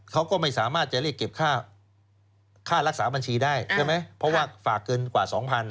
เขาก็ไม่สามารถจะเรียกเก็บค่ารักษาบัญชีได้ใช่ไหมเพราะว่าฝากเกินกว่า๒๐๐